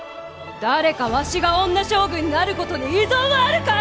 誰かわしが女将軍になることに異存はあるかえ！